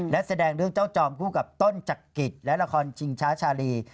และแสดงเรื่องเจ้าจอมคู่กับต้นจักริตและละครชิงช้าชาลี